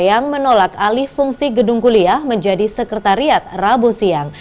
yang menolak alih fungsi gedung kuliah menjadi sekretariat rabu siang